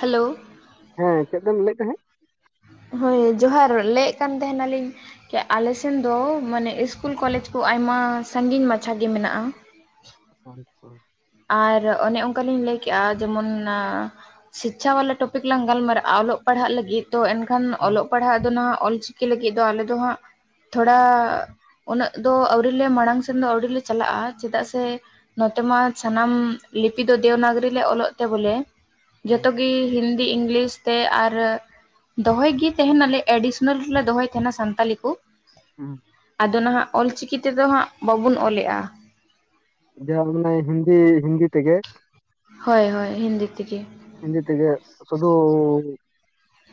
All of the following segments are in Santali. ᱦᱮᱞᱳ᱾ ᱦᱮᱸ ᱪᱮᱫ ᱫᱚᱢ ᱞᱟᱹᱭᱮᱫ ᱛᱟᱦᱮᱸᱫ᱾ ᱦᱳᱭ ᱡᱚᱦᱟᱨ ᱞᱟᱹᱭᱮᱫ ᱠᱟᱱ ᱛᱟᱦᱮᱸᱱᱟᱞᱤᱧ ᱠᱮ ᱟᱞᱮ ᱥᱮᱱ ᱫᱚ ᱢᱟᱱᱮ ᱤᱥᱠᱩᱞ-ᱠᱚᱞᱮᱡᱽ ᱠᱚ ᱟᱭᱢᱟ ᱥᱟᱺᱜᱤᱧ ᱢᱟᱪᱷᱟ ᱜᱮ ᱢᱮᱱᱟᱜᱼᱟ᱾ [unintelligible] ᱟᱨ ᱚᱱᱮ ᱚᱱᱠᱟ ᱞᱤᱧ ᱞᱟᱹᱭ ᱠᱮᱜᱼᱟ ᱡᱮᱢᱚᱱ ᱱᱟ ᱪᱷᱤᱠᱪᱷᱟ ᱣᱟᱞᱟ ᱴᱚᱯᱤᱠ ᱞᱟᱝ ᱜᱟᱞᱢᱟᱨᱟᱜᱼᱟ, ᱚᱞᱚᱜ ᱯᱟᱲᱦᱟᱜ ᱞᱟᱹᱜᱤᱫ ᱛᱚ ᱮᱱᱠᱷᱟᱱ ᱦᱮᱸ ᱚᱞᱚᱜ ᱯᱟᱲᱦᱟᱜ ᱫᱚᱱᱦᱟᱸᱜ ᱚᱞᱪᱤᱠᱤ ᱞᱟᱹᱜᱤᱫ ᱫᱚ ᱟᱞᱮ ᱫᱚ ᱦᱟᱸᱜ, ᱛᱷᱚᱲᱟ ᱩᱱᱟᱹᱜ ᱫᱚ ᱟᱹᱣᱨᱤ ᱞᱮ ᱢᱟᱲᱟᱝ ᱥᱮᱱ ᱫᱚ ᱟᱹᱣᱨᱤ ᱞᱮ ᱪᱟᱞᱟᱜᱼᱟ, ᱪᱮᱫᱟᱜ ᱥᱮ ᱱᱚᱛᱮ ᱢᱟ ᱥᱟᱱᱟᱢ ᱞᱤᱯᱤ ᱫᱚ ᱫᱮᱣᱱᱟᱜᱚᱨᱤ ᱞᱮ ᱚᱞᱚᱜ ᱛᱮ ᱵᱚᱞᱮ ᱡᱚᱛᱚ ᱜᱮ ᱦᱤᱱᱫᱤ ᱤᱜᱝᱞᱤᱥ ᱛᱮ ᱟᱨ ᱫᱚᱦᱚᱭ ᱜᱤ ᱛᱮᱦᱮᱸᱱ ᱟᱞᱮ ᱮᱰᱤᱥᱚᱱᱟᱞ ᱨᱮᱞᱮ ᱫᱚᱦᱚᱭ ᱛᱮᱦᱮᱸᱱᱟ, ᱥᱟᱱᱛᱟᱞᱤ ᱠᱚ᱾ ᱦᱩᱸ᱾ ᱟᱫᱚ ᱱᱟᱦᱟᱜ ᱚᱞᱪᱤᱠᱤ ᱛᱮᱫᱚ ᱦᱟᱸᱜ ᱵᱟᱵᱚᱱ ᱚᱞᱮᱜᱼᱟ᱾ ᱡᱟ ᱩᱱᱟᱹᱭ ᱦᱤᱱᱫᱤ, ᱦᱤᱱᱫᱤ ᱛᱮᱜᱮ᱾ ᱦᱳᱭ ᱦᱳᱭ ᱦᱤᱱᱫᱤ ᱛᱨᱜᱮ᱾ ᱦᱤᱱᱫᱤ ᱛᱮᱜᱮ ᱥᱩᱫᱩ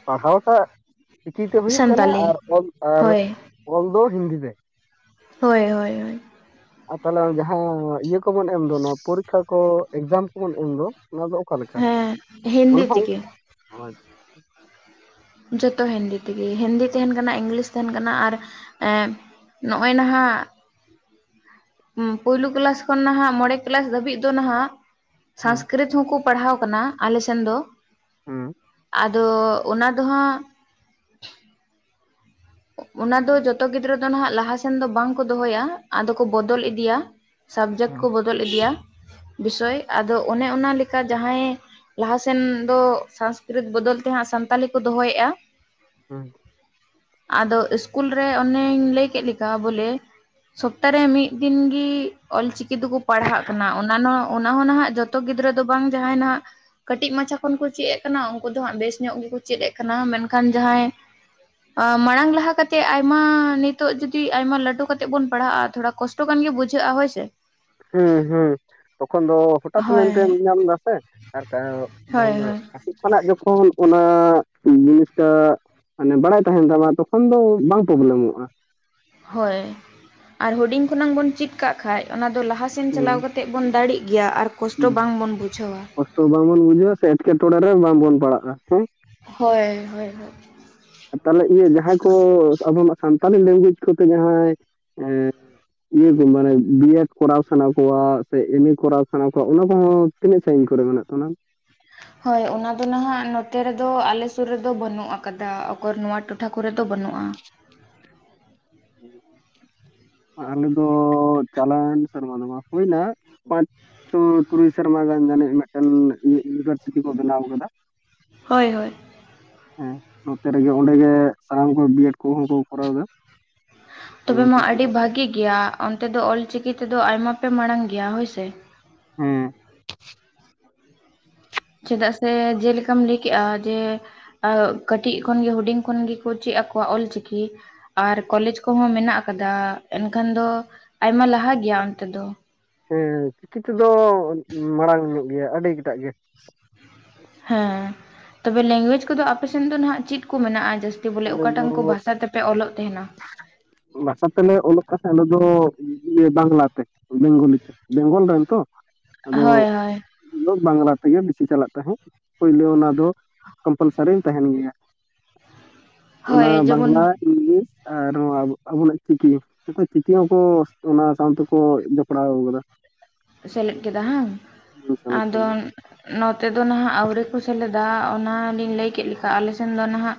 ᱯᱟᱲᱦᱟᱣ? ᱴᱟᱜ, ᱪᱤᱠᱤᱛᱮ ᱦᱩᱭᱩᱜ ᱠᱟᱱᱟ ᱥᱟᱱᱛᱟᱞᱤ ᱟᱨ ᱚᱞ ᱟᱨ ᱦᱳᱭ ᱚᱞ ᱫᱚ ᱦᱤᱱᱫᱤ ᱛᱮ᱾ ᱦᱳᱭ ᱦᱳᱭ ᱦᱳᱭ᱾ [inaudible] ᱟᱨ ᱛᱟᱦᱚᱞᱮ ᱡᱟᱦᱟᱸ ᱤᱭᱟᱹ ᱠᱚᱵᱚᱱ ᱮᱢ ᱫᱚ, ᱱᱚᱣᱟ ᱯᱚᱨᱤᱠᱠᱷᱟ ᱠᱚ ᱮᱠᱡᱟᱢ ᱠᱚᱵᱚᱱ ᱮᱢ ᱫᱚ ᱚᱱᱟ ᱫᱚ? ᱚᱠᱟ ᱞᱮᱠᱟ? ᱦᱮᱸ, ᱦᱤ ᱚᱱᱟ ᱦᱚᱸ ᱚᱝᱠᱟ? ᱦᱳᱭ᱾ ᱡᱚᱛᱚ ᱦᱤᱱᱫᱤ ᱛᱮᱜᱮ, ᱦᱤᱱᱫᱤ ᱛᱟᱦᱮᱸᱱ ᱠᱟᱱᱟ, ᱤᱝᱞᱤᱥ ᱛᱟᱦᱮᱸᱱ ᱠᱟᱱᱟ ᱟᱨ ᱮᱸ ᱱᱚᱜᱼᱚᱭ ᱱᱟᱦᱟᱜ ᱦᱩᱸ ᱯᱩᱭᱞᱩ ᱠᱮᱞᱟᱥ ᱠᱷᱚᱱ ᱱᱟᱦᱟᱜ ᱢᱚᱬᱮ ᱠᱮᱞᱟᱥ ᱫᱷᱟᱹᱵᱤᱡ ᱫᱚ ᱱᱟᱦᱟᱜ ᱦᱮᱸ ᱥᱚᱝᱥᱠᱨᱤᱛ ᱪᱷᱩ ᱦᱚᱸᱠᱚ ᱯᱟᱲᱦᱟᱣ ᱟᱠᱟᱱᱟ ᱟᱞᱮ ᱥᱮᱱ ᱫᱚ᱾ ᱦᱩᱸ ᱟᱫᱚ ᱚᱱᱟ ᱫᱚ ᱦᱟᱸᱜ ᱚᱱᱟ ᱫᱚ ᱡᱚᱛᱚ ᱜᱤᱫᱽᱨᱟᱹ ᱫᱚ ᱱᱟᱦᱟᱜ ᱞᱟᱦᱟᱥᱮᱱ ᱫᱚ ᱵᱟᱝ ᱠᱚ ᱫᱚᱦᱚᱭᱟ᱾ ᱟᱫᱚ ᱠᱚ ᱵᱚᱫᱚᱞ ᱤᱫᱤᱭᱟ᱾ ᱥᱟᱵᱽᱡᱮᱠᱴ ᱠᱚ ᱵᱚᱫᱚᱞ ᱤᱫᱤᱭᱟ ᱵᱤᱥᱚᱭ ᱟᱫᱚ ᱚᱱᱮ ᱚᱱᱟ ᱞᱮᱠᱟ ᱡᱟᱦᱟᱸᱭ ᱞᱟᱦᱟᱥᱮᱱ ᱫᱚ ᱥᱚᱝᱥᱠᱨᱤᱛ ᱵᱚᱫᱚᱞ ᱛᱮ ᱦᱟᱸᱜ ᱥᱟᱱᱛᱟᱞᱤ ᱠᱚ ᱫᱚᱦᱚᱭᱮᱫᱼᱟ᱾ ᱦᱩᱸ ᱟᱫᱚ ᱤᱥᱠᱩᱞ ᱨᱮ ᱚᱱᱮᱧ ᱞᱟᱹᱭ ᱠᱮᱫ ᱞᱮᱠᱟ ᱵᱚᱞᱮ᱾ ᱥᱚᱯᱛᱟ ᱨᱮ ᱢᱤᱫ ᱫᱤᱱ ᱜᱮ ᱚᱞᱪᱤᱠᱤ ᱛᱮᱠᱚ ᱯᱟᱲᱦᱟᱜ ᱠᱟᱱᱟ᱾ ᱚᱱᱟ ᱚᱱᱟ ᱦᱚᱸ ᱱᱟᱦᱟᱜ ᱡᱚᱛ ᱡᱚᱛᱚ ᱜᱤᱫᱽᱨᱟᱹ ᱫᱚ ᱵᱟᱝ ᱡᱟᱦᱟᱸᱭ ᱱᱟᱦᱟᱜ ᱠᱟᱹᱴᱤᱡ ᱢᱟᱪᱷᱟ ᱠᱷᱚᱱ ᱠᱚ ᱪᱮᱫ ᱮ ᱠᱟᱱᱟ ᱩᱱᱠᱩ ᱫᱚ ᱦᱟᱸᱜ ᱵᱮᱥ ᱧᱚᱜ ᱜᱮ ᱠᱚ ᱪᱮᱫ ᱮᱫ ᱠᱟᱱᱟ, ᱢᱮᱱᱠᱷᱟᱱ ᱡᱟᱦᱟᱸᱭ ᱟᱸ ᱢᱟᱲᱟᱝ ᱞᱟᱦᱟ ᱠᱟᱛᱮᱜ ᱟᱭᱢᱟ ᱱᱤᱛᱚᱜ ᱡᱩᱫᱤ ᱟᱭᱢᱟ ᱞᱟᱹᱴᱩ ᱠᱟᱛᱮᱜ ᱵᱩᱱ ᱯᱟᱲᱦᱟᱜᱼᱟ᱾ ᱛᱷᱚᱲᱟ ᱠᱚᱥᱴ ᱴᱚ ᱜᱟᱱ ᱜᱮ ᱵᱩᱡᱷᱟᱹᱜᱼᱟ ᱦᱳᱭᱥᱮ᱾ ᱦᱩᱸ ᱼᱦᱩᱸ ᱛᱚᱠᱷᱚᱱ ᱫᱚ ᱦᱚᱴᱟᱛ ᱢᱮᱱᱛᱮᱢ ᱦᱳᱭ ᱧᱟᱢ ᱫᱟ ᱟᱥᱮ ᱟᱨ ᱡᱚᱠᱷᱚᱱ ᱦᱳᱭ ᱫᱚ ᱦᱳᱭ ᱠᱷᱚᱱᱟᱜ ᱡᱚᱠᱷᱚᱱ ᱚᱱᱟ ᱡᱤᱱᱤᱥ ᱴᱟ ᱢᱟᱱᱮ ᱵᱟᱲᱟᱭ ᱛᱟᱦᱮᱱ ᱛᱟᱢᱟ ᱛᱚᱠᱷᱚᱱ ᱫᱚ ᱵᱟᱝ ᱯᱨᱚᱵᱞᱮᱢᱚᱜᱼᱟ᱾ ᱦᱳᱭ ᱟᱨ ᱦᱩᱰᱤᱝ ᱠᱷᱚᱱᱟᱝ ᱵᱚᱱ ᱪᱮᱫ ᱠᱟᱜ ᱠᱷᱟᱱ ᱚᱱᱟ ᱫᱚ ᱞᱟᱦᱟ ᱥᱮᱱ ᱪᱟᱞᱟᱣ ᱦᱩᱸ ᱠᱟᱛᱮᱫ ᱵᱚᱱ ᱫᱟᱲᱮᱜ ᱜᱮᱭᱟ ᱟᱨ ᱠᱚᱥᱴᱚ ᱵᱟᱝ ᱵᱚᱱ ᱵᱩᱡᱷᱟᱹᱣᱟ᱾ ᱛᱚ ᱵᱟᱝ ᱵᱚᱱ ᱵᱩᱡᱷᱟᱹᱣᱟ ᱥᱮ ᱮᱴᱠᱮᱴᱚᱬᱮ ᱨᱮ ᱵᱟᱝ ᱵᱚᱱ ᱯᱟᱲᱟᱜᱼᱟ, ᱦᱮᱸ᱾ ᱦᱳᱭ ᱦᱳᱭ ᱛᱟᱦᱚᱞᱮ ᱤᱭᱟᱹ ᱡᱟᱦᱟᱸᱭ ᱠᱚ ᱟᱵᱚᱱᱟᱜ ᱥᱟᱱᱛᱟᱞᱤ ᱞᱮᱝᱜᱩᱭᱮᱡᱽ ᱠᱚ ᱛᱮ ᱡᱟᱦᱟᱸᱭ ᱤᱭᱟᱹ ᱠᱚ ᱢᱟᱱᱮ ᱵᱤ. ᱭᱮ. ᱰ. ᱠᱚᱨᱟᱣ ᱥᱟᱱᱟ ᱠᱚᱣᱟ ᱥᱮ ᱮᱢ. ᱮ. ᱠᱚᱨᱟᱣ ᱥᱟᱱᱟ ᱠᱚᱣᱟ᱾ ᱚᱱᱟ ᱠᱚ ᱦᱚᱸ ᱛᱤᱱᱟᱹᱜ ᱥᱟᱺᱤᱧ ᱠᱚᱨᱮ ᱢᱮᱱᱟᱜ ᱚᱱᱟ ᱢᱟ? ᱦᱳᱭ ᱚᱱᱟ ᱫᱚ ᱱᱟᱦᱟᱜ ᱱᱚᱛᱮ ᱨᱮᱫᱚ ᱟᱞᱮ ᱥᱩᱨ ᱨᱮᱫᱚ ᱵᱟᱹᱱᱩᱜ ᱟᱠᱟᱫᱟ᱾ ᱚᱠᱚᱨ ᱱᱚᱣᱟ ᱴᱚᱴᱷᱟ ᱠᱚᱨᱮ ᱫᱚ ᱵᱟᱹᱱᱩᱜᱼᱟ ᱟᱸ ᱟᱞᱮ ᱫᱚ ᱪᱟᱞᱮᱱ ᱥᱮᱨᱢᱟ ᱫᱚ ᱢᱟ ᱦᱩᱭᱱᱟ ᱯᱟᱸᱪ ᱥ, ᱛᱩᱨᱩᱭ ᱥᱚᱨᱢᱟ ᱜᱟᱱ ᱟᱱᱤᱡ ᱢᱤᱫ ᱴᱮᱱ ᱤᱭᱩᱱᱤᱵᱷᱟᱨᱥᱤᱴᱤ ᱠᱚ ᱵᱮᱱᱟᱣ ᱠᱮᱫᱟ᱾ ᱦᱳᱭ ᱦᱳᱭ ᱦᱮᱸ ᱱᱚᱛᱮ ᱨᱮ ᱜᱮ ᱚᱸᱰᱮ ᱜᱮ ᱥᱟᱱᱟᱢ ᱠᱚ ᱵᱤᱭᱮᱰ ᱠᱚ ᱦᱚᱸ ᱠᱚ ᱠᱚᱨᱟᱣᱫᱟ᱾ ᱛᱚᱵᱮ ᱢᱟ ᱟᱹᱰᱤ ᱵᱷᱟᱹᱜᱤ ᱜᱮᱭᱟ ᱚᱱᱛᱮ ᱫᱚ ᱚᱞᱪᱤᱠᱤ ᱛᱮᱫᱚ ᱟᱭᱢᱟ ᱯᱮ ᱢᱟᱲᱟᱝ ᱜᱮᱭᱟ ᱦᱳᱭ ᱥᱮ᱾ ᱦᱮᱸ ᱾ ᱪᱮᱫᱟᱜ ᱥᱮ, ᱡᱮ ᱞᱮᱠᱟᱢ ᱞᱟᱹᱭ ᱠᱮᱜᱼᱟ ᱡᱮ ᱟᱣ ᱠᱟᱹᱴᱤᱡ ᱠᱷᱚᱱ ᱜᱮ ᱦᱩᱰᱤᱧ ᱠᱷᱚᱱ ᱜᱮ ᱠᱚ ᱪᱮᱫ ᱟᱠᱚᱣᱟ ᱚᱞᱪᱤᱠᱤ ᱾ ᱟᱨ ᱠᱚᱞᱮᱡᱽ ᱠᱚᱦᱚᱸ ᱢᱮᱱᱟᱜ ᱟᱠᱟᱫᱟ, ᱮᱱᱠᱷᱟᱱ ᱫᱚ ᱟᱭᱢᱟ ᱞᱟᱦᱟ ᱜᱮᱭᱟ ᱚᱱᱛᱮ ᱫᱚ ᱾ ᱦᱮᱸ ᱪᱤᱠᱤ ᱛᱮᱫᱚ ᱢᱟᱲᱟᱝ ᱧᱚᱜ ᱜᱮᱭᱟ ᱟᱹᱰᱤ ᱠᱟᱴᱟᱜ ᱜᱮ ᱾ ᱦᱮᱸ, ᱛᱚᱵᱮ ᱞᱮᱝᱜᱩᱭᱮᱡ ᱠᱚᱫᱚ ᱟᱯᱮ ᱥᱮᱱ ᱫᱚ ᱱᱟᱦᱟᱜ ᱪᱮᱫ ᱠᱚ ᱢᱮᱱᱟᱜᱼᱟ ᱡᱟᱹᱥ ᱛᱤ ᱵᱚᱞᱮ ᱟᱞᱮ ᱫᱚ ᱚᱠᱟᱴᱟᱝ ᱠᱚ ᱵᱷᱟᱥ ᱛᱮ ᱯᱮ ᱚᱞᱚᱜ ᱛᱟᱦᱮᱱᱟ? ᱵᱷᱟᱥᱟ ᱛᱮᱞᱮ ᱚᱞᱚᱜ ᱠᱟᱱ ᱛᱟᱦᱮᱸ ᱟᱞᱮ ᱫᱚ ᱤᱭᱟᱹ ᱵᱟᱝᱞᱟ ᱛᱮ ᱵᱮᱝᱜᱚᱞᱤ ᱛᱮ ᱾ ᱵᱮᱝᱜᱚᱞ ᱨᱮᱱ ᱛᱚ? ᱦᱳᱭ ᱦᱳᱭ ᱾ ᱟᱫᱚ ᱵᱟᱝᱞᱟ ᱛᱮᱜᱮ ᱵᱤᱥᱤ ᱪᱟᱞᱟᱜ ᱛᱟᱦᱮᱸᱫ ᱯᱳᱭᱞᱳ ᱚᱱᱟ ᱫᱚ ᱠᱚᱢᱯᱟᱞᱥᱟᱨᱤ ᱛᱟᱦᱮᱱ ᱜᱮᱭᱟ ᱾ ᱚᱱᱟ ᱦᱳᱭ ᱡᱮᱢᱚᱱ ᱵᱟᱝᱞᱟ, ᱤᱝᱞᱤᱥ ᱟᱨ ᱱᱚᱣᱟ ᱟᱵᱚᱱᱟᱜ ᱪᱤᱠᱤ ᱱᱚᱛᱚᱜ ᱪᱤᱠᱤ ᱦᱚᱸᱠᱚ ᱚᱱᱟ ᱥᱟᱶ ᱛᱮᱠᱚ ᱡᱚᱯᱲᱟᱣ ᱟᱠᱟᱫᱟ ᱾ ᱥᱮᱞᱮᱫ ᱠᱮᱫᱟ ᱦᱟᱝ, ᱥᱮᱞᱮᱫ ᱟᱫᱚ ᱠᱟᱫᱟ ᱱᱚᱛᱮ ᱫᱚ ᱱᱟᱦᱟᱸᱜ ᱟᱹᱣᱨᱤ ᱠᱚ ᱥᱮᱞᱮᱫᱟ, ᱚᱱᱟ ᱞᱤᱧ ᱞᱟᱹᱭ ᱠᱮᱫ ᱞᱮᱠᱟ ᱟᱞᱮ ᱥᱮᱱ ᱫᱚ ᱱᱟᱦᱟᱜ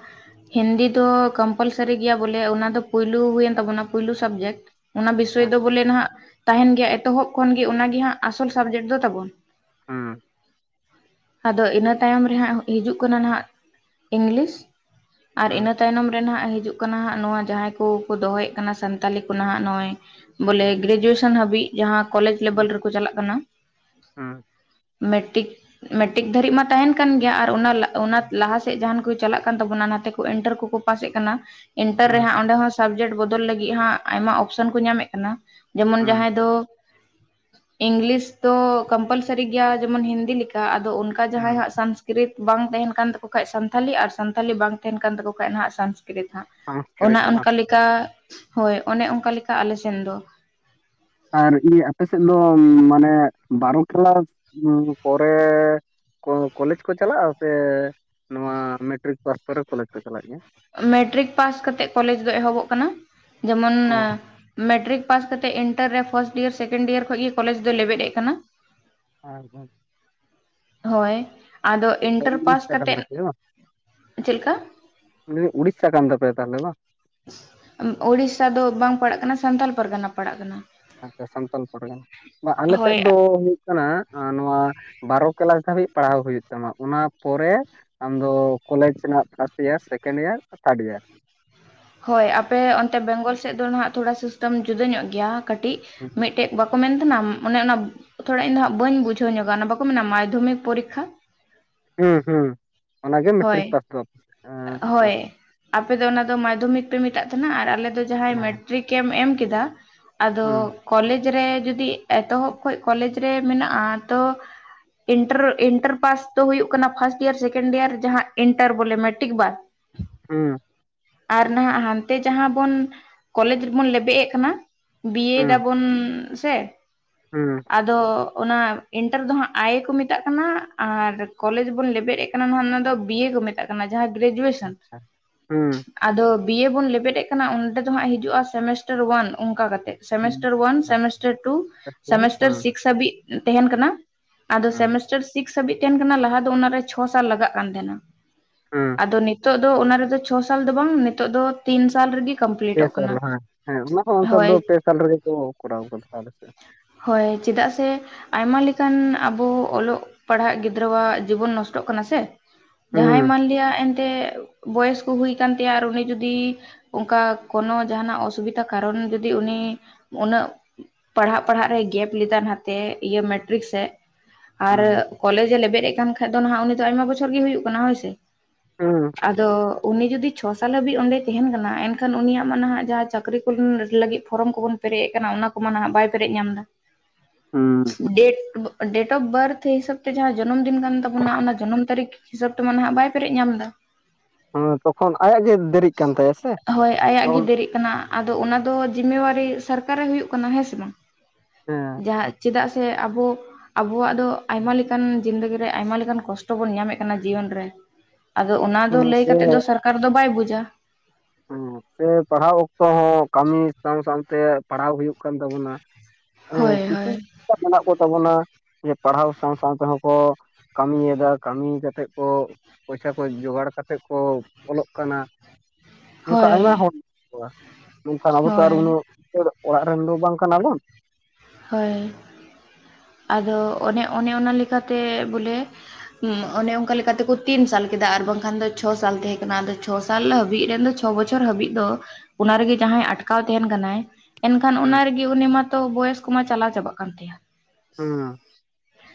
ᱦᱤᱱᱫᱤ ᱫᱚ ᱠᱚᱢᱯᱟᱞᱥᱟᱨᱤ ᱜᱮᱭᱟ ᱵᱚᱞᱮ ᱚᱱᱟ ᱫᱚ ᱯᱩᱭᱞᱩ ᱦᱩᱭᱮᱱ ᱛᱟᱵᱚᱱᱟ ᱯᱩᱭᱞᱩ ᱥᱟᱵᱡᱮᱠᱴ ᱾ ᱚᱱᱟ ᱵᱤᱥᱚᱭ ᱫᱚ ᱵᱚᱞᱮ ᱱᱟᱦᱟᱸᱜ ᱛᱟᱦᱮᱱ ᱜᱮᱭᱟ ᱮᱛᱚᱦᱚᱵ ᱠᱷᱚᱱ ᱜᱮ ᱚᱱᱟ ᱜᱮ ᱦᱟᱸᱜ ᱟᱥᱚᱞ ᱥᱟᱵᱡᱮᱠᱴ ᱫᱚ ᱛᱟᱵᱚᱱ ᱾ ᱦᱩᱸ ᱾ ᱟᱫᱚ ᱤᱱᱟᱹ ᱛᱟᱭᱚᱢ ᱨᱮᱦᱟᱸᱜ ᱦᱤᱡᱩᱜ ᱠᱟᱱᱟ ᱱᱟᱦᱟᱜ ᱤᱝᱞᱤᱥ ᱾ ᱟᱨ ᱤᱱᱟᱹ ᱛᱟᱭᱱᱚᱢ ᱨᱮ ᱱᱟᱦᱟᱸᱜ ᱦᱤᱡᱩᱜ ᱠᱟᱱᱟ ᱦᱟᱸᱜ ᱱᱚᱣᱟ ᱡᱟᱦᱟᱸᱭ ᱠᱚ ᱠᱚ ᱫᱚᱦᱚᱭᱮᱫ ᱠᱟᱱᱟ ᱥᱟᱱᱛᱟᱞᱤ ᱠᱚ ᱱᱟᱦᱟᱸᱜ ᱱᱚᱜᱼᱚᱭ ᱵᱚᱞᱮ ᱜᱨᱮᱡᱩᱭᱮᱥᱚᱱ ᱦᱟᱹᱵᱤᱡ ᱾ ᱡᱟᱦᱟᱸ ᱠᱚᱞᱮᱡᱽ ᱞᱮᱵᱮᱞ ᱨᱮᱠᱚ ᱪᱟᱞᱟᱜ ᱠᱟᱱᱟ ᱾ ᱢᱮᱴᱤᱠ, ᱢᱮᱴᱤᱠ ᱫᱷᱟᱹᱨᱤᱡ ᱢᱟ ᱛᱟᱦᱮᱱ ᱠᱟᱱ ᱜᱮᱭᱟ ᱟᱨ ᱚᱱᱟ ᱞ ᱚᱱᱟ ᱞᱟᱦᱟ ᱥᱮᱫ ᱡᱟᱦᱟᱱ ᱠᱚ ᱪᱟᱞᱟᱜ ᱠᱟᱱ ᱛᱟᱵᱚᱱᱟ ᱱᱟᱛᱮ ᱠᱚ ᱮᱱᱴᱟᱨ ᱠᱚᱠᱚ ᱯᱟᱥᱮᱫ ᱠᱟᱱᱟ ᱮᱱᱴᱟᱨ ᱨᱮᱦᱟᱸᱜ ᱚᱸᱰᱮ ᱦᱚᱸ ᱥᱟᱵᱡᱮᱴ ᱵᱚᱫᱚᱞ ᱞᱟᱹᱜᱤᱫ ᱦᱟᱸᱜ ᱟᱭᱢᱟ ᱚᱯᱥᱮᱱ ᱠᱚ ᱧᱟᱢᱮᱫ ᱠᱟᱱᱟ ᱡᱮᱢᱚᱱ ᱡᱟᱦᱟᱸᱭ ᱫᱚ ᱤᱝᱞᱤᱥ ᱫᱚ ᱠᱚᱢᱯᱟᱞᱥᱟᱨᱤ ᱜᱮᱭᱟ ᱡᱮᱢᱚᱱ ᱦᱤᱱᱫᱤ ᱞᱮᱠᱟ ᱟᱫᱚ ᱚᱱᱠᱟ ᱡᱟᱦᱟᱸᱭ ᱦᱟᱸᱜ ᱥᱟᱸ ᱥᱠᱨᱤᱛ ᱵᱟᱝ ᱛᱟᱦᱮᱱ ᱠᱟᱱ ᱛᱟᱠᱚ ᱠᱷᱟᱡ ᱥᱟᱱᱛᱷᱟᱞᱤ ᱟᱨ ᱥᱟᱱᱛᱷᱟᱞᱤ ᱵᱟᱝ ᱛᱟᱦᱮᱱ ᱠᱟᱱ ᱛᱟᱠᱚ ᱠᱷᱟᱡ ᱱᱟᱦᱟᱜ ᱥᱟᱝᱥᱠᱨᱤᱛ ᱦᱟᱸᱜ ᱾ ᱚᱱᱟ ᱥᱚᱝᱥᱠᱨᱤᱛ ᱵᱟᱝ ᱚᱱᱠᱟᱞᱮᱠᱟ ᱦᱳᱭ, ᱚᱱᱮ ᱚᱱᱠᱟᱞᱮᱠᱟ ᱟᱞᱮ ᱥᱮᱱ ᱫᱚ ᱾ ᱟᱨ ᱤ ᱟᱯᱮ ᱥᱮᱫ ᱫᱚ ᱢᱟᱱᱮ ᱵᱟᱨᱚ ᱠᱞᱟᱥ ᱯᱚᱨᱮᱻ ᱠᱚ ᱠᱚᱞᱮᱡᱽ ᱠᱚ ᱪᱟᱞᱟᱜᱼᱟ, ᱥᱮ ᱱᱚᱣᱟ ᱢᱮᱴᱨᱤᱠ ᱯᱟᱥ ᱯᱚᱨᱮ ᱠᱚᱞᱮᱡᱽ ᱯᱮ ᱪᱟᱞᱟᱜ ᱜᱮᱭᱟ? ᱢᱮᱴᱨᱤᱠ ᱯᱟᱥ ᱠᱟᱛᱮᱜ ᱠᱚᱞᱮᱡ ᱫᱚ ᱮᱦᱚᱵᱚᱜ ᱠᱟᱱᱟ ᱡᱮᱢᱚᱱ ᱚ ᱢᱮᱴᱨᱤᱠ ᱯᱟᱥ ᱠᱟᱛᱮᱫ ᱤᱱᱴᱟᱹᱨ ᱨᱮ ᱯᱷᱟᱥᱴ ᱤᱭᱟᱨ ᱥᱮᱠᱮᱱᱰ ᱤᱭᱟᱹᱨ ᱠᱷᱚᱡ ᱜᱮ ᱠᱚᱞᱮᱡᱽ ᱫᱚᱭ ᱞᱮᱵᱮᱫ ᱮᱫ ᱠᱟᱱᱟ ᱾ ᱟᱨ ᱦᱚᱸ ᱦᱳᱭ ᱟᱫᱚ ᱤᱱᱴᱟᱨ ᱯᱟᱥ ᱩᱲᱤᱥᱥᱟ ᱠᱟᱱ ᱠᱟᱛᱮᱫ, ᱛᱟᱯᱮᱭᱟ ᱪᱮᱫ ᱞᱮᱠᱟ? [unintelligible] ᱩᱲᱤᱥᱟ ᱠᱟᱱ ᱛᱟᱯᱮᱭᱟ ᱛᱟᱦᱚᱞᱮ ᱵᱟᱝ? ᱳᱲᱤᱥᱟ ᱫᱚ ᱵᱟᱝ ᱯᱟᱲᱟᱜ ᱠᱟᱱᱟ ᱥᱟᱱᱛᱟᱞ ᱯᱟᱨᱜᱟᱱᱟ ᱯᱟᱲᱟᱜ ᱠᱟᱱᱟ ᱾ ᱟᱪᱷᱟ ᱥᱟᱱᱛᱟᱞ ᱯᱟᱨᱜᱟᱱᱟ, ᱵᱟ ᱟᱞᱮ ᱥᱮᱫ ᱦᱳᱭ ᱫᱚ ᱠᱟᱱᱟ ᱱᱚᱣᱟ ᱵᱟᱨᱚ ᱠᱞᱟᱥ ᱫᱷᱟᱹᱵᱤᱡ ᱯᱟᱲᱦᱟᱣ ᱦᱩᱭᱩᱜ ᱛᱟᱢᱟ ᱚᱱᱟ ᱯᱚᱨᱮ ᱟᱢᱫᱚ ᱠᱚᱞᱮᱡᱽ ᱨᱮᱱᱟᱜ first year, second year, third year. ᱦᱳᱭ ᱟᱯᱮ ᱚᱱᱛᱮ ᱵᱮᱝᱜᱚᱞ ᱥᱮᱫ ᱫᱚ ᱱᱟᱦᱟᱜ ᱛᱷᱚᱲᱟ ᱥᱤᱥᱴᱮᱢ ᱡᱩᱫᱟᱹ ᱧᱚᱜ ᱜᱮᱭᱟ ᱠᱟᱹᱴᱤᱡ ᱢᱤᱫᱴᱮᱡ ᱵᱟᱠᱚ ᱢᱮᱱ ᱛᱟᱦᱮᱱᱟ ᱚᱱᱮ ᱚᱱᱟ ᱛᱷᱚᱲᱟ ᱤᱧ ᱫᱚ ᱦᱟᱸᱜ ᱵᱟᱹᱧ ᱵᱩᱡᱷᱟᱹᱣ ᱧᱚᱜᱟ ᱚᱱᱟ ᱵᱟᱠᱚ ᱢᱮᱱᱟ ᱢᱟᱫᱽᱫᱷᱚᱢᱤᱠ ᱯᱚᱨᱤᱠᱷᱟ ᱦᱩᱸ ᱦᱩᱸ ᱚᱱᱟᱜᱮ ᱦᱳᱭ ᱢᱮᱴᱨᱤᱠ ᱯᱟᱥ ᱫᱚ ᱮᱸ ᱚᱸ ᱦᱳᱭ ᱟᱯᱮ ᱫᱚ ᱚᱱᱟ ᱫᱚ ᱢᱟᱫᱽᱫᱷᱚᱢᱤᱠ ᱯᱮ ᱢᱮᱛᱟᱜ ᱛᱟᱦᱮᱱᱟ ᱟᱨ ᱟᱞᱮ ᱫᱚ ᱡᱟᱦᱟᱸᱭ ᱢᱮᱴᱨᱤᱠ ᱮᱢ ᱮᱢ ᱠᱮᱫᱟ ᱟᱫᱚ ᱦᱩᱸ ᱠᱚᱞᱮᱡᱽ ᱨᱮ ᱡᱩᱫᱤ ᱮᱛᱚᱦᱚᱵ ᱠᱷᱚᱡ ᱠᱚᱞᱮᱡᱽ ᱨᱮ ᱢᱮᱱᱟᱜᱼᱟ ᱛᱚ ᱤᱱᱴᱟᱨ ᱤᱱᱴᱟᱨ ᱯᱟᱥ ᱛᱚ ᱦᱩᱭᱩᱜ ᱠᱟᱱᱟ ᱯᱷᱟᱥᱴ ᱤᱭᱟᱨ ᱥᱮᱠᱮᱱᱰ ᱤᱭᱟᱨ ᱾ ᱡᱟᱦᱟᱸ ᱤᱱᱴᱟᱨ ᱵᱚᱞᱮ, ᱢᱮᱴᱤᱠ ᱵᱟᱫ ᱾ ᱦᱩᱸ ᱾ ᱟᱨ ᱱᱟᱦᱟᱜ ᱦᱟᱱᱛᱮ ᱡᱟᱦᱟᱸ ᱵᱚᱱ ᱠᱚᱞᱮᱡᱽ ᱨᱮᱵᱚᱱ ᱞᱮᱵᱮᱫ ᱮᱸᱜ ᱠᱟᱱᱟ ᱵᱤᱭᱮᱰ ᱦᱩᱸ ᱟᱵᱚᱱ ᱥᱮ? ᱦᱩᱸ ᱾ ᱟᱫᱚ ᱚᱱᱟ ᱤᱱᱴᱟᱨ ᱫᱚ ᱦᱟᱸᱜ ᱟᱭᱮ ᱠᱚ ᱢᱮᱛᱟᱜ ᱠᱟᱱᱟ᱾ ᱟᱨ ᱠᱚᱞᱮᱡᱽ ᱵᱚᱱ ᱞᱮᱵᱮᱫ ᱮᱫ ᱠᱟᱱᱟ ᱱᱚᱜᱟ ᱱᱟᱱ ᱫᱚ ᱵᱤᱭᱮ ᱠᱚ ᱢᱮᱛᱟᱜ ᱠᱟᱱᱟ ᱡᱟᱦᱟᱸ ᱜᱨᱮᱡᱩᱣᱮᱥᱚᱱ ᱟᱪᱪᱷᱟ ᱦᱩᱸ ᱾ ᱟᱫᱚ ᱵᱤᱭᱮ ᱵᱚᱱ ᱞᱮᱵᱮᱫ ᱠᱟᱱᱟ ᱚᱸᱰᱮ ᱫᱚ ᱦᱟᱸᱜ ᱦᱤᱡᱩᱜᱼᱟ ᱥᱮᱢᱮᱥᱴᱟᱨ ᱳᱣᱟᱱ ᱚᱱᱠᱟ ᱠᱟᱛᱮᱜ ᱾ ᱦᱩᱸ ᱥᱮᱢᱮᱥᱴᱟᱨ ᱳᱣᱟᱱ, ᱟᱪᱪᱷᱟ ᱥᱮᱢᱮᱥᱴᱟᱨ ᱴᱩ, ᱥᱮᱢᱮᱥᱴᱟᱨ ᱦᱩᱸ ᱥᱤᱠᱥ ᱦᱟᱹᱵᱤᱡ ᱛᱟᱦᱮᱱ ᱠᱟᱱᱟ ᱾ ᱟᱫᱚ ᱦᱩᱸ ᱥᱮᱢᱮᱥᱴᱟᱨ ᱥᱤᱠᱥ ᱦᱟᱹᱵᱤᱡ ᱛᱟᱦᱮᱸᱱ ᱠᱟᱱᱟ ᱞᱟᱦᱟ ᱫᱚ ᱚᱱᱟᱨᱮ ᱪᱷᱚ ᱥᱟᱞ ᱞᱟᱜᱟᱜ ᱠᱟᱱ ᱛᱟᱦᱮᱸᱱᱟ ᱦᱩᱸ ᱾ ᱟᱫᱚ ᱱᱤᱛᱳᱜ ᱫᱚ ᱚᱱᱟ ᱨᱮᱫᱚ ᱪᱷᱚ ᱥᱟᱞ ᱫᱚ ᱵᱟᱝ ᱱᱤᱛᱳᱜ ᱫᱚ ᱛᱤᱱ ᱥᱟᱞ ᱨᱮᱜᱮ ᱯᱮ ᱠᱚᱢᱯᱞᱤᱴᱚᱜ ᱥᱟᱞ ᱠᱟᱱᱟ ᱦᱮᱸ ᱦᱮᱸ ᱚᱱᱟ ᱦᱚᱸ ᱚᱱᱮᱛ ᱦᱳᱭ ᱫᱚ ᱯᱮ ᱥᱟᱞ ᱨᱮᱜᱮ ᱠᱚ ᱠᱚᱨᱟᱣ ᱟᱠᱟᱫᱟ ᱟᱞᱮ ᱥᱮᱫ ᱦᱚᱸ ᱦᱳᱭ ᱪᱮᱫᱟᱜ ᱥᱮ ᱟᱭᱢᱟ ᱞᱮᱠᱟᱱ ᱟᱵᱚ ᱚᱞᱚᱜ ᱯᱟᱲᱦᱟᱜ ᱜᱤᱫᱽᱨᱟᱹᱣᱟᱜ ᱡᱤᱵᱚᱱ ᱱᱚᱥᱴᱚᱜ ᱠᱟᱱᱟ ᱥᱮ ᱡᱟᱦᱟᱸᱭ ᱦᱩᱸ ᱢᱟᱱᱞᱤᱭᱟ ᱮᱱᱛᱮᱫ ᱵᱚᱭᱚᱥ ᱠᱚ ᱦᱩᱭ ᱠᱟᱱ ᱛᱟᱭᱟ ᱟᱨ ᱩᱱᱤ ᱡᱩᱫᱤ ᱚᱱᱠᱟ ᱠᱳᱱᱚ ᱡᱟᱦᱟᱸᱱᱟᱜ ᱚᱥᱩᱵᱤᱫᱷᱟ ᱠᱟᱨᱚᱱ ᱡᱩᱫᱤ ᱩᱱᱤ ᱩᱱᱟᱹᱜ ᱯᱟᱲᱦᱟᱜ ᱯᱟᱲᱦᱟᱜ ᱨᱮ ᱜᱮᱯ ᱞᱮᱫᱟᱭ ᱱᱟᱛᱮ ᱤᱭᱟ ᱢᱮᱴᱨᱤᱠ ᱥᱮᱫ ᱟᱨ ᱦᱩᱸ ᱠᱚᱞᱮᱡᱽ ᱮ ᱞᱮᱵᱮᱫ ᱮ ᱠᱟᱱ ᱠᱷ ᱠᱦᱟᱱᱡ ᱫᱚ ᱱᱟᱦᱟᱜ ᱩᱱᱤ ᱫᱚ ᱟᱭᱢᱟ ᱵᱚᱪᱷᱚᱨ ᱜᱮ ᱦᱩᱭᱩᱜ ᱠᱟᱱᱟ ᱦᱳᱭ ᱥᱮ? ᱦᱩᱸ ᱾ ᱟᱫᱚ ᱩᱱᱤ ᱡᱩᱫᱤ ᱪᱷᱚ ᱥᱟᱞ ᱦᱟᱹᱵᱤᱡ ᱚᱸᱰᱮᱭ ᱛᱟᱦᱮᱱ ᱠᱟᱱᱟ ᱮᱱᱠᱷᱟᱱ ᱩᱱᱤᱭᱟᱜ ᱢᱟ ᱱᱟᱦᱟᱜ ᱡᱟᱦᱟᱸ ᱪᱟᱹᱠᱨᱤ ᱠᱚ ᱞᱟᱹᱜᱤᱫ ᱯᱷᱚᱨᱚᱢ ᱠᱚᱵᱚᱱ ᱯᱮᱨᱮᱡ ᱟᱠᱟᱱᱟ ᱚᱱᱟ ᱠᱚᱢᱟ ᱱᱟᱦᱟᱜ ᱵᱟᱭ ᱯᱮᱨᱮᱡ ᱧᱟᱢ ᱮᱫᱟ ᱾ ᱦᱩᱸ ᱾ ᱰᱮᱴ ᱰᱮᱴ ᱚᱯᱷ ᱵᱟᱨᱛᱷ ᱦᱤᱥᱟᱹᱵ ᱛᱮ ᱡᱟᱦᱟᱸ ᱡᱚᱱᱚᱢ ᱫᱤᱱ ᱠᱟᱱ ᱛᱟᱵᱚᱱᱟ ᱚᱱᱟ ᱡᱚᱱᱚᱢ ᱛᱟᱹᱨᱤᱠᱷ ᱦᱤᱥᱟᱹᱵ ᱛᱮᱢᱟ ᱱᱟᱦᱟᱜ ᱵᱟᱭ ᱯᱮᱨᱮᱡ ᱧᱟᱢ ᱮᱫᱟ ᱾ ᱦᱮᱸ ᱛᱚᱠᱷᱚᱱ ᱟᱭᱟᱜ ᱜᱮ ᱫᱮᱨᱤᱜ ᱠᱟᱱ ᱛᱟᱭᱟ ᱥᱮ। ᱦᱳᱭ ᱟᱭᱟᱜ ᱜᱮ ᱫᱮᱨᱤᱜ ᱠᱟᱱᱟ ᱟᱫᱚ ᱚᱱᱟ ᱫᱚ ᱡᱤᱢᱮᱣᱟᱨᱤ ᱥᱚᱨᱠᱟᱨᱮ ᱦᱩᱭᱩᱜ ᱠᱟᱱᱟ ᱦᱮᱸ ᱥᱮ ᱵᱟᱝ? ᱦᱮᱸ ᱡᱟᱦᱟᱸ ᱪᱮᱫᱟᱜ ᱥᱮ ᱟᱵᱚ ᱟᱵᱚᱣᱟᱜ ᱫᱚ ᱟᱭᱢᱟ ᱞᱮᱠᱟᱱ ᱡᱤᱱᱫᱮᱜᱤ ᱨᱮ ᱟᱭᱢᱟ ᱞᱮᱠᱟᱱ ᱠᱚᱥᱴᱚ ᱵᱚᱱ ᱧᱟᱢᱮᱫ ᱠᱟᱱᱟ ᱡᱤᱭᱚᱱ ᱨᱮ᱾ ᱟᱫᱚ ᱚᱱᱟ ᱫᱚ ᱦᱩᱸ ᱞᱟᱹᱭ ᱥᱮ ᱠᱟᱛᱮᱫ ᱫᱚ ᱥᱚᱨᱠᱟᱨ ᱫᱚ ᱵᱟᱭ ᱵᱩᱡᱟ। ᱥᱮ ᱯᱟᱲᱦᱟᱣ ᱚᱠᱛᱚ ᱦᱚᱸ ᱠᱟᱹᱢᱤ ᱥᱟᱶ ᱥᱟᱶᱛᱮ ᱯᱟᱲᱦᱟᱣ ᱦᱩᱭᱩᱜ ᱠᱟᱱ ᱛᱟᱵᱚᱱᱟ᱾ ᱦᱳᱭ ᱠᱤᱪᱷᱩ ᱦᱳᱭ ᱢᱮᱱᱟᱜ ᱠᱚᱛᱟᱵᱚᱱᱟ ᱡᱮ ᱯᱟᱲᱦᱟᱣ ᱥᱟᱶ ᱥᱟᱶ ᱛᱮᱦᱚᱸ ᱠᱚᱼᱼ ᱠᱟᱹᱢᱤᱭᱮᱫᱟ ᱠᱟᱹᱢᱤ ᱠᱟᱛᱮᱫ ᱠᱚ ᱯᱚᱭᱥᱟ ᱠᱚ ᱡᱚᱜᱟᱲ ᱠᱟᱛᱮᱫ ᱠᱚ ᱚᱞᱚᱜ ᱠᱟᱱᱟ। ᱱᱚᱝᱠᱟ ᱦᱳᱭ ᱟᱭᱢᱟ ᱦᱚᱲ ᱢᱮᱱᱟᱜ ᱠᱚᱣᱟ, ᱱᱚᱝᱠᱟ ᱟᱵᱚ ᱛᱚ ᱟᱨ ᱩᱱᱟᱹᱜ ᱚᱲᱟᱜ ᱨᱮᱱ ᱫᱚ ᱵᱟᱝ ᱠᱟᱱᱟᱵᱚᱱ᱾ ᱦᱳᱭ᱾ ᱟᱫᱚ ᱚᱱᱮ ᱚᱱᱮ ᱚᱱᱟ ᱞᱮᱠᱟᱛᱮ ᱵᱚᱞᱮ ᱚᱱᱮ ᱚᱱᱠᱟ ᱞᱮᱠᱟ ᱛᱮᱠᱚ ᱛᱤᱱ ᱥᱟᱞ ᱠᱮᱫᱟ ᱟᱨ ᱵᱟᱝᱠᱷᱟᱱ ᱫᱚ ᱪᱷᱚ ᱥᱟᱞ ᱛᱟᱦᱮᱸ ᱠᱟᱱᱟ ᱟᱞᱮᱼᱼ ᱪᱷᱚ ᱥᱟᱞ ᱦᱟᱹᱵᱤᱡ ᱨᱮᱱ ᱫᱚ ᱪᱷᱚ ᱵᱚᱪᱷᱚᱨ ᱦᱟᱹᱵᱤᱡ ᱫᱚ ᱚᱱᱟ ᱨᱮᱜᱮ ᱡᱟᱦᱟᱸᱭ ᱟᱴᱠᱟᱣ ᱛᱟᱦᱮᱱ ᱠᱟᱱᱟᱭ। ᱮᱱᱠᱷᱟᱱ ᱚᱱᱟ ᱦᱮᱸ ᱨᱮᱜᱤ ᱩᱱᱤ ᱢᱟᱛᱚ ᱵᱚᱭᱚᱥ ᱠᱚᱢᱟ ᱪᱟᱞᱟᱣ ᱪᱟᱵᱟᱜ ᱠᱟᱱ ᱛᱟᱭᱟ᱾ ᱦᱮᱸ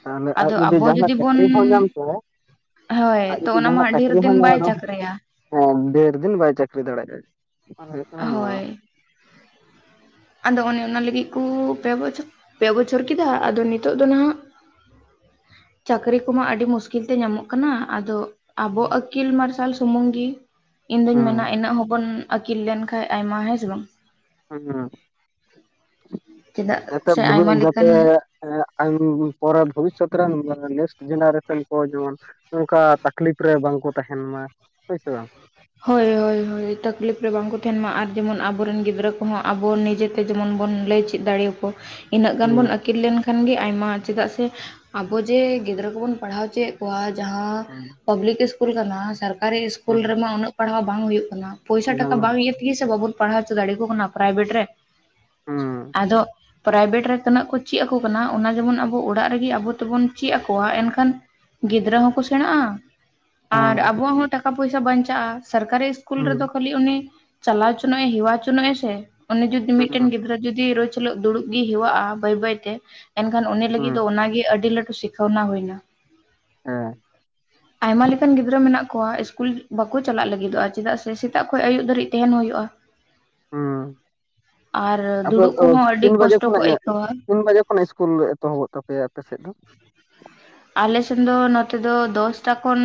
ᱛᱟᱦᱚᱞᱮ ᱟᱡ ᱟᱫᱚ ᱡᱩᱫᱤ ᱟᱵᱚ ᱡᱟᱦᱟᱱᱟᱜ ᱵᱚᱱ ᱪᱟᱠᱨᱤ ᱦᱚᱸ ᱧᱟᱢ ᱠᱮᱭᱟᱭᱼᱼ ᱦᱳᱭ ᱟᱡ ᱛᱚ ᱡᱩᱫᱤ ᱚᱱᱟ ᱡᱟᱦᱟᱱᱟᱜ ᱢᱟ ᱰᱷᱮᱨ ᱪᱟᱹᱠᱨᱤ ᱦᱚᱸᱭ ᱫᱤᱱ ᱧᱟᱢᱟ ᱵᱟᱭ ᱱᱚᱼᱼ ᱪᱟᱠᱨᱟᱭᱟ ᱦᱮᱸ ᱰᱷᱮᱨ ᱫᱤᱱ ᱵᱟᱭ ᱪᱟᱠᱨᱤ ᱫᱟᱲᱮᱜ ᱟᱭ᱾ ᱦᱳᱭ। ᱟᱫᱚ ᱚᱱᱮ ᱚᱱᱟ ᱞᱟᱹᱜᱤᱫ ᱠᱩ ᱯᱮ ᱵᱚᱪᱷᱚ ᱯᱮ ᱵᱚᱪᱷᱚᱨ ᱠᱮᱫᱟ ᱟᱫᱚ ᱱᱤᱛᱚᱜ ᱫᱚ ᱱᱟᱦᱟᱜ᱾ ᱪᱟᱹᱠᱨᱤ ᱠᱚᱢᱟ ᱟᱹᱰᱤ ᱢᱩᱥᱠᱤᱞ ᱛᱮ ᱧᱟᱢᱚᱜ ᱠᱟᱱᱟ ᱟᱫᱚ᱾ ᱟᱵᱚ ᱟᱹᱠᱤᱞ ᱢᱟᱨᱥᱟᱞ ᱥᱩᱢᱩᱝ ᱜᱤ ᱤᱧ ᱫᱩᱧ ᱦᱮᱸ ᱢᱮᱱᱟ ᱤᱱᱟᱹᱜ ᱦᱚᱸᱵᱚᱱ ᱟᱹᱠᱤᱞ ᱞᱮᱱᱠᱷᱟᱱ ᱟᱭᱢᱟ, ᱦᱮᱸ ᱥᱮ ᱵᱟᱝ? ᱦᱩᱸ ᱦᱩᱸ᱾ ᱪᱮᱫᱟᱜ ᱥᱮ ᱟᱭᱢᱟ ᱞᱮᱠᱟᱱ [unintelligible] ᱯᱚᱨᱮ ᱵᱷᱚᱵᱤᱥᱚᱛ ᱨᱮᱱ ᱱᱮᱠᱥ ᱡᱮᱱᱟᱨᱮᱥᱚᱱ ᱠᱚ ᱡᱮᱢᱚᱱᱼᱼ ᱱᱚᱝᱠᱟ ᱛᱟᱠᱞᱤᱯ ᱨᱮ ᱵᱟᱝᱠᱚ ᱛᱟᱦᱮᱱ ᱢᱟ, ᱦᱳᱭ ᱥᱮ ᱵᱟᱝ? ᱦᱳᱭ ᱦᱳᱭ ᱦᱳᱭ ᱛᱟᱠᱞᱤᱯ ᱨᱮ ᱵᱟᱝᱠᱚ ᱛᱟᱦᱮᱱ ᱢᱟ, ᱟᱨ ᱡᱮᱢᱚᱱ ᱟᱵᱚᱨᱮᱱ ᱜᱤᱫᱽᱨᱟᱹ ᱠᱚᱦᱚᱸ ᱟᱵᱚ ᱱᱤᱡᱮᱼᱼ ᱡᱮᱢᱚᱱ ᱵᱚᱱ ᱞᱟᱹᱭ ᱪᱮᱫ ᱫᱟᱲᱮᱣ ᱟᱠᱚ᱾ ᱤᱱᱟᱹᱜ ᱜᱟᱱ ᱵᱚᱱ ᱦᱩᱸ ᱟᱹᱠᱤᱞ ᱞᱮᱱ ᱠᱷᱟᱱ ᱜᱮ ᱟᱭᱢᱟ, ᱪᱮᱫᱟᱜ ᱥᱮ ᱟᱵᱚ ᱡᱮ ᱜᱤᱫᱽᱨᱟᱹ ᱠᱚᱵᱚᱱ ᱯᱟᱲᱦᱟᱣ ᱦᱚᱪᱟᱭᱮᱫᱼᱼ ᱠᱚᱣᱟ ᱡᱟᱦᱟᱸ ᱦᱩᱸ ᱯᱟᱵᱞᱤᱠ ᱤᱥᱠᱩᱞ ᱠᱟᱱᱟ ᱥᱚᱨᱠᱟᱨᱤ ᱤᱥᱠᱩᱞ ᱨᱮᱢᱟ ᱩᱱᱟᱹᱜ ᱯᱟᱲᱦᱟᱣ ᱵᱟᱝ ᱦᱩᱭᱩᱜ ᱠᱟᱱᱟ᱾ ᱦᱩᱸ ᱯᱚᱭᱥᱟ ᱴᱟᱠᱟ ᱦᱩᱸ ᱵᱟᱝ ᱤᱭᱟᱹ ᱛᱮᱜᱮ ᱥᱮ ᱵᱟᱵᱚᱱ ᱯᱟᱲᱦᱟᱣ ᱦᱚᱪᱚ ᱫᱟᱲᱮ ᱟᱠᱚ ᱠᱟᱱᱟ ᱯᱨᱟᱭᱵᱷᱮᱴ ᱨᱮ ᱦᱮᱸ ᱟᱫᱚᱼᱼ ᱯᱨᱟᱭᱵᱷᱮᱴ ᱨᱮ ᱛᱤᱱᱟᱹᱜ ᱠᱚ ᱪᱮᱫ ᱟᱠᱚ ᱠᱟᱱᱟ ᱚᱱᱟ ᱡᱮᱢᱚᱱ ᱟᱵᱚ ᱚᱲᱟᱜ ᱨᱮᱜᱮ ᱟᱵᱚ ᱛᱮᱵᱚᱱ ᱪᱮᱫ ᱟᱠᱚᱣᱟ ᱮᱱᱠᱷᱟᱱᱼᱼ ᱜᱤᱫᱽᱨᱟᱹ ᱦᱚᱸᱠᱚ ᱥᱮᱬᱟᱜᱼᱟ᱾ ᱟᱨ ᱟᱵᱚᱣᱟᱜ ᱦᱚᱸ ᱴᱟᱠᱟ ᱯᱚᱭᱥᱟ ᱵᱟᱧᱪᱟᱜᱼᱟ, ᱥᱚᱨᱠᱟᱨᱤ ᱥᱤᱥᱠᱩᱞ ᱨᱮᱫᱚ ᱦᱩᱸ ᱠᱷᱟᱹᱞᱤᱼᱼ ᱩᱱᱤ ᱪᱟᱞᱟᱣ ᱦᱚᱪᱚᱱᱚ ᱮ ᱦᱮᱣᱟ ᱦᱚᱪᱚᱱᱚᱜ ᱮ ᱥᱮ ᱩᱱᱤ ᱡᱩᱫᱤ ᱦᱩᱸ ᱢᱤᱫᱴᱮᱱ ᱜᱤᱫᱽᱨᱟᱹᱼᱼ ᱡᱩᱫᱤ ᱨᱳᱡᱽ ᱦᱤᱞᱳᱜ ᱫᱩᱲᱩᱵ ᱜᱮ ᱡᱩᱫᱤ ᱨᱳᱡ ᱦᱤᱞᱚᱜ ᱫᱩᱲᱩᱵ ᱜᱮ ᱦᱮᱣᱟᱜ-ᱟ ᱵᱟᱹᱭ ᱵᱟᱹᱭ ᱛᱮ ᱮᱱᱠᱷᱟᱱ ᱩᱱᱤ ᱞᱟᱹᱜᱤᱫ ᱦᱩᱸ ᱫᱚ ᱚᱱᱟᱜᱮ ᱟᱹᱰᱤ ᱞᱟᱹᱴᱩ ᱥᱤ ᱚᱱᱟ ᱦᱩᱭᱱᱟ ᱦᱮᱸ ᱟᱭᱢᱟ ᱞᱮᱠᱟᱱ ᱜᱤᱫᱽᱨᱟᱹ ᱢᱮᱱᱟᱜ ᱠᱚᱣᱟ ᱤᱥᱠᱩᱞ ᱵᱟᱠᱚ ᱪᱟᱞᱟᱜ ᱞᱟᱹᱜᱤᱫᱚᱜ-ᱟ ᱪᱮᱫᱟᱜ ᱥᱮ ᱥᱮᱛᱟᱜ ᱠᱷᱚᱱ ᱟᱭᱩᱵ ᱫᱷᱵᱤᱡ ᱛᱟᱦᱮᱱ ᱦᱩᱭᱩᱜ-ᱟ᱾ ᱦᱩᱸ ᱟᱨ ᱟᱯᱮ ᱫᱩᱲᱩᱵ ᱠᱚᱦᱚᱸ ᱟᱹᱰᱤ ᱠᱚᱥᱴᱚ ᱠᱚ ᱟᱹᱭᱠᱟᱹᱣᱟ᱾ ᱚᱱᱮ ᱤᱥᱠᱩᱞ ᱮᱛᱚᱦᱚᱵᱚᱜ ᱛᱟᱯᱮᱭᱟ ᱟᱯᱮ ᱥᱮᱫ ᱫᱚ? ᱟᱞᱮᱥᱮᱱ ᱫᱚ ᱱᱚᱛᱮ ᱫᱚ ᱫᱚᱥᱴᱟ ᱠᱷᱚᱱ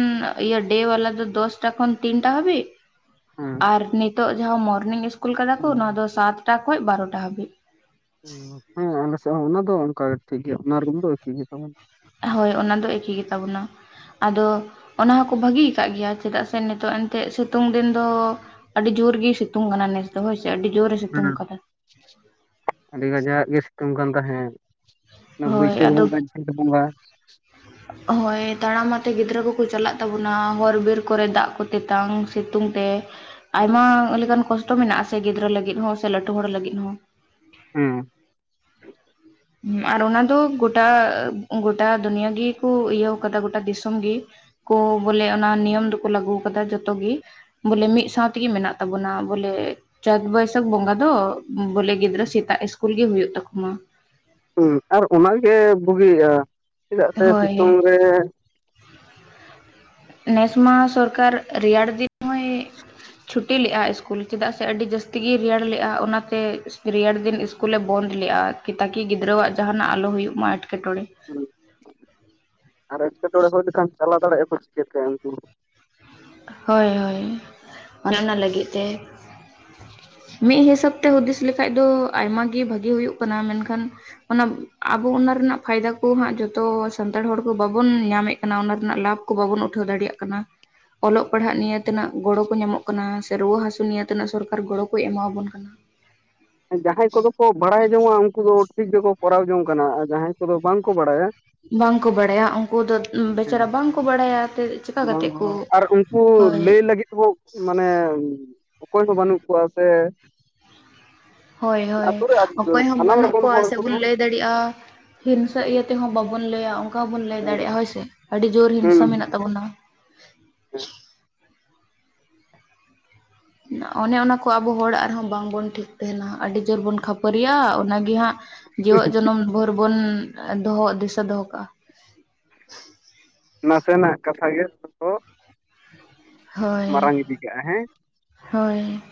ᱤᱭᱟᱹ ᱰᱮ ᱵᱟᱞᱟ ᱫᱚ ᱫᱚᱥᱴᱟ ᱠᱷᱚᱱ ᱛᱤᱱᱴᱟ ᱦᱟᱹᱵᱤᱡ᱾ ᱦᱮᱸ ᱟᱨ ᱱᱤᱛᱳᱜ ᱡᱟᱦᱟᱸ ᱢᱚᱨᱱᱤᱝ ᱤᱥᱠᱩᱞ ᱠᱟᱫᱟ ᱠᱚ ᱚᱱᱟ ᱫᱚ ᱥᱟᱛᱴᱟ ᱠᱷᱚᱱ ᱵᱟᱨᱚᱴᱟ ᱦᱟᱹᱵᱤᱡ᱾ ᱦᱮᱸ ᱟᱞᱮᱥᱮᱫ ᱦᱚᱸ ᱚᱱᱟ ᱫᱚ ᱚᱱᱠᱟ ᱴᱷᱤᱠ ᱜᱮᱭᱟ ᱚᱱᱟ ᱨᱩᱢ ᱫᱚ ᱮᱠᱤ ᱜᱮᱛᱟ ᱵᱚᱱᱟ᱾ ᱦᱳᱭ ᱚᱱᱟ ᱫᱚ ᱮᱠᱤ ᱜᱮᱛᱟ ᱵᱚᱱᱟ᱾ ᱟᱫᱚ ᱚᱱᱟ ᱦᱚᱸᱠᱚ ᱵᱷᱟᱹᱜᱤ ᱟᱠᱟᱫ ᱜᱮᱭᱟ ᱪᱮᱫᱟᱜ ᱥᱮ ᱱᱤᱛᱚᱜ ᱮᱱᱛᱮᱜ ᱥᱤᱛᱩᱝ ᱫᱤᱱ ᱫᱚ ᱟᱹᱰᱤ ᱡᱳᱨ ᱜᱮ ᱥᱤᱛᱩᱝ ᱠᱟᱱᱟ ᱱᱮᱥ ᱫᱚ ᱦᱳᱭ ᱟᱹᱰᱤ ᱡᱳᱨ ᱦᱩᱸ ᱟᱹᱰᱤ ᱜᱟᱡᱟᱜ ᱜᱮ ᱥᱤᱛᱩᱝ ᱠᱟᱱ ᱛᱟᱦᱮᱜ᱾ ᱚᱱᱟ ᱦᱳᱭ ᱵᱟᱹᱭᱥᱟᱹᱠᱷ ᱟᱫᱚ ᱵᱚᱸᱜᱟ ᱪᱷᱟᱹᱴ ᱵᱚᱸᱜᱟ᱾ ᱦᱳᱭ ᱛᱟᱲᱟᱢ ᱟᱛᱮ ᱜᱤᱫᱽᱨᱟᱹ ᱠᱚᱠᱚ ᱪᱟᱞᱟᱜ ᱛᱟᱵᱚᱱᱟ ᱦᱚᱨ ᱵᱤᱨ ᱠᱚᱨᱮ ᱫᱟᱜ ᱠᱚ ᱛᱮᱛᱟᱝ ᱥᱤᱛᱩᱝ ᱛᱮ᱾ ᱟᱭᱢᱟ ᱞᱮᱠᱟᱱ ᱠᱚᱥᱴᱚ ᱢᱮᱱᱟᱜ-ᱟ ᱥᱮ ᱜᱤᱫᱽᱨᱟᱹ ᱞᱟᱹᱜᱤᱫ ᱦᱚᱸ ᱥᱮ ᱞᱟᱹᱴᱩ ᱦᱚᱲ ᱞᱟᱹᱜᱤᱫ ᱦᱚᱸ᱾ ᱦᱩᱸ ᱟᱨ ᱚᱱᱟ ᱫᱚ ᱜᱚᱴᱟ ᱜᱚᱴᱟ ᱫᱩᱱᱭ ᱜᱮᱠᱚ ᱤᱭᱟᱹ ᱠᱟᱫᱟ ᱜᱚᱴᱟ ᱫᱤᱥᱚᱢ ᱜᱮ ᱠᱚ ᱵᱚᱞᱮ ᱚᱱᱟ ᱱᱤᱭᱚᱢ ᱫᱚᱠᱚ ᱞᱟᱜᱩ ᱟᱠᱟᱫᱟ ᱡᱚᱛᱚ ᱜᱮ᱾ ᱵᱚᱞᱮ ᱢᱤᱫ ᱥᱟᱶ ᱛᱮᱜᱮ ᱢᱮᱱᱟᱜ ᱛᱟᱵᱚᱱᱟ ᱵᱚᱞᱮ᱾ ᱪᱟᱹᱛ- ᱵᱟᱹᱭᱥᱟᱹᱠᱷ ᱵᱚᱸᱜᱟ ᱫᱚ ᱵᱚᱞᱮ ᱜᱤᱫᱽᱨᱟᱹ ᱥᱮᱛᱟᱜ ᱤᱥᱠᱩᱞ ᱜᱮ ᱦᱳᱭᱳ ᱛᱟᱠᱟ ᱢᱟ᱾ ᱦᱩᱸ ᱟᱨ ᱚᱱᱟᱜᱮ ᱵᱩᱜᱤᱜᱼᱟ ᱪᱮᱫᱟᱜ ᱥᱮ ᱥᱤᱛᱩᱝ ᱦᱳᱭ ᱨᱮ ᱱᱮᱥ ᱢᱟᱦᱟ ᱥᱚᱨᱠᱟᱨ ᱨᱮᱭᱟᱲ ᱫᱤᱱ ᱦᱚᱸᱭ ᱪᱷᱩᱴᱤ ᱞᱮᱫᱼᱟ ᱥᱠᱩᱞ ᱪᱮᱫᱟᱜ ᱥᱮ ᱟᱹᱰᱤ ᱡᱟᱹᱥᱛᱤᱜᱭ ᱨᱮᱭᱟᱲ ᱞᱮᱫᱼᱟ, ᱚᱱᱟᱛᱮ ᱨᱮᱭᱟᱲ ᱫᱤᱱ ᱤᱥᱠᱩᱞᱮ ᱵᱚᱱᱫ ᱞᱮᱫᱼᱟ᱾ ᱠᱤ ᱛᱟᱠᱤ ᱜᱤᱫᱽᱨᱟᱹᱣᱟᱜ ᱡᱟᱦᱟᱱᱟᱜ ᱟᱞᱚ ᱦᱩᱭᱩᱜ ᱢᱟ ᱮᱴᱠᱮᱴᱚᱬᱮ᱾ ᱦᱩᱭ ᱟᱨ ᱮᱴᱠᱮᱴᱚᱬᱮ ᱦᱩᱭ ᱞᱮᱠᱷᱟᱱ ᱪᱟᱞᱟᱣ ᱫᱟᱲᱮᱭᱟᱜᱼᱟ ᱠᱚ ᱪᱤᱠᱟᱹᱛᱮ ᱩᱱᱠᱩ ᱦᱳᱭ ᱦᱳᱭ ᱚᱱᱮ ᱚᱱᱟ ᱞᱟᱹᱜᱤᱫ ᱛᱮ ᱢᱤᱫ ᱦᱤᱥᱟᱹᱵ ᱛᱮ ᱦᱩᱫᱤᱥ ᱞᱮᱠᱷᱟᱡ ᱫᱚ ᱟᱭᱢᱟ ᱜᱮ ᱵᱷᱟᱜᱤ ᱦᱩᱭᱩᱜ ᱠᱟᱱᱟ ᱢᱮᱱᱠᱷᱟᱱ ᱚᱱᱟᱼᱼ ᱟᱵᱚ ᱚᱱᱟ ᱨᱮᱱᱟᱜ ᱯᱷᱟᱭᱫᱟ ᱠᱚ ᱦᱟᱸᱜ ᱡᱚᱛᱚ ᱥᱟᱱᱛᱟᱲ ᱦᱚᱲ ᱠᱚ ᱵᱟᱵᱚᱱ ᱧᱟᱢᱮᱫ ᱠᱟᱱᱟ ᱚᱱᱟ ᱨᱮᱱᱟᱜ ᱞᱟᱵᱷ ᱠᱚ ᱵᱟᱵᱚᱱ ᱩᱴᱷᱟᱹᱣ ᱫᱟᱲᱮᱭᱟᱜ ᱠᱟᱱᱟ᱾ ᱚᱞᱚᱜ ᱯᱟᱲᱦᱟᱜ ᱱᱤᱭᱮ ᱛᱤᱱᱟᱹᱜ ᱜᱚᱲᱚ ᱠᱚ ᱧᱟᱢᱚᱜ ᱠᱟᱱᱟ ᱥᱮ ᱨᱩᱣᱟᱹ ᱦᱟᱥᱩ ᱱᱤᱭᱮ ᱛᱤᱱᱟᱹ ᱥᱚᱨᱠᱟᱨ ᱜᱚᱲᱚ ᱠᱚ ᱮᱢᱟᱵᱚᱱ ᱠᱟᱱᱟ᱾ ᱡᱟᱦᱟᱸᱭ ᱠᱚᱫᱚ ᱠᱚ ᱵᱟᱲᱟᱭ ᱡᱚᱝᱼᱟ, ᱩᱱᱠᱩ ᱫᱚ ᱴᱷᱤᱠ ᱜᱮᱠᱚ ᱠᱚᱨᱟᱣ ᱡᱚᱝ ᱠᱟᱱᱟ ᱟᱨ ᱡᱟᱦᱟᱸᱭ ᱠᱚᱫᱚ ᱵᱟᱝᱠᱚ ᱵᱟᱲᱟᱭᱟ ᱵᱟᱝ ᱠᱚ ᱵᱟᱲᱟᱭᱟ ᱩᱱᱠᱩ ᱫᱚ ᱦᱮᱸ ᱵᱮᱪᱟᱨᱟ ᱵᱟᱝ ᱠᱚ ᱵᱟᱲᱟᱭᱟᱛᱮ ᱵᱟᱝ ᱟᱨ ᱩᱱᱠᱩ ᱞᱟᱹᱭ ᱞᱟᱹᱜᱤᱫ ᱢᱟᱱᱮ ᱚᱠᱚᱭ ᱦᱚᱸ ᱵᱟᱹᱱᱩᱜ ᱠᱚᱣᱟ ᱥᱮ ᱦᱳᱭ ᱦᱳᱭ ᱟᱛᱳ ᱨᱮ ᱚᱠᱚᱭ ᱦᱚᱸ ᱥᱟᱱᱟᱢ ᱵᱟᱹᱱᱩᱜ ᱨᱚᱠᱚᱢ ᱠᱚᱣᱟ ᱦᱚᱲ ᱥᱮ ᱠᱚ ᱵᱚᱱ ᱛᱟᱦᱮᱱ ᱞᱟᱹᱭ ᱫᱟᱲᱮᱭᱟᱜᱼᱟ ᱦᱤᱱᱥᱟ ᱠᱟᱱᱟ᱾ ᱤᱭᱟᱹ ᱛᱮ ᱛᱮᱦᱚᱸ ᱵᱟᱵᱚᱱ ᱞᱟᱹᱭᱟ, ᱚᱱᱠᱟ ᱦᱚᱸᱵᱚᱱ ᱞᱟᱹᱭ ᱦᱮᱸ ᱫᱟᱲᱮᱭᱟᱜᱼᱟ ᱦᱳᱭ ᱥᱮ ᱟᱹᱰᱤ ᱡᱳᱨ ᱦᱤᱝᱥᱟ ᱢᱮᱱᱟᱜ ᱛᱟᱵᱚᱱᱟ᱾ ᱦᱮᱸ ᱚᱱᱮ ᱚᱱᱟ ᱠᱚ ᱟᱵᱚ ᱦᱚᱲᱟᱜ ᱨᱮᱦᱚᱸ ᱵᱟᱝᱵᱚᱱ ᱴᱷᱤᱠ ᱛᱟᱦᱮᱱᱟ ᱟᱹᱰᱤ ᱡᱳᱨ ᱵᱚᱱ ᱠᱷᱟᱹᱯᱟᱹᱨᱤᱜᱼᱟ ᱚᱱᱟᱜᱮ ᱦᱟᱸᱜ ᱠᱮᱣᱟᱜ ᱡᱚᱱᱚᱢ ᱵᱷᱳᱨ ᱵᱚᱱ ᱫᱚᱦᱚ ᱫᱤᱥᱟᱹ ᱫᱚᱦᱚ ᱠᱟᱜᱼᱟ᱾ ᱱᱟᱥᱮ ᱱᱟᱜ ᱠᱟᱛᱷᱟ ᱜᱮ ᱠᱚ ᱦᱳᱭ. ᱢᱟᱨᱟᱝ ᱤᱫᱤ ᱠᱟᱜᱼᱟ ᱦᱮᱸ ᱦᱳᱭ